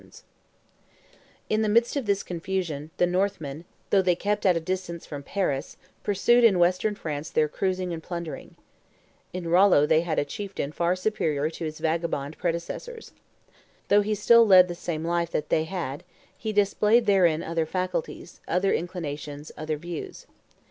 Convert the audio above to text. [Illustration: Count Eudes re entering Paris right through the Besiegers 262] In the midst of this confusion, the Northmen, though they kept at a distance from Paris, pursued in Western France their cruising and plundering. In Rollo they had a chieftain far superior to his vagabond predecessors. Though he still led the same life that they had, he displayed therein other faculties, other inclinations, other views.